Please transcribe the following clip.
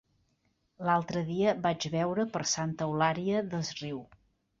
L'altre dia el vaig veure per Santa Eulària des Riu.